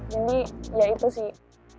jadi ya itu sih